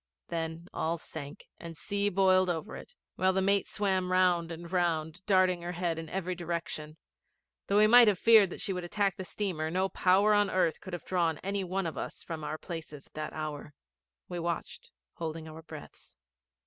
Then all sank, and sea boiled over it, while the mate swam round and round, darting her head in every direction. Though we might have feared that she would attack the steamer, no power on earth could have drawn any one of us from our places that hour. We watched, holding our breaths.